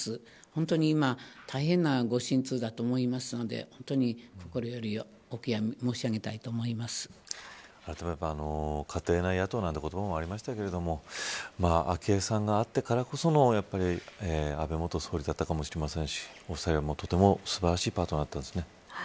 本当に大変なご心痛だと思いますので心より家庭内野党なんていう言葉もありましたけど昭恵さんがあってからこその安倍元総理だったかもしれませんしご夫妻もとても素晴らしいパートナーだったですね。